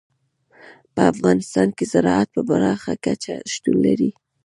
په افغانستان کې زراعت په پراخه کچه شتون لري.